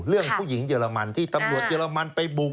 เรื่องผู้หญิงเยอรมันที่ตำรวจเยอรมันไปบุก